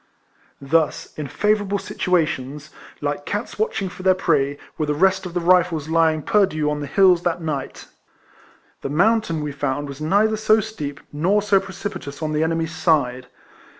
Thus, in favourable situations, like cats watching RIFLEMAN HARRIS. 173 for their prey, were the rest of the Eifles lying perdu upon the hills that night. The mountain, we found, was neither so steep nor so precipitous on the enemy's side.